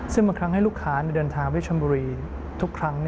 ซึ่งบางครั้งให้ลูกค้าในเดินทางวิทยาลัยสมบูรณ์ทุกครั้ง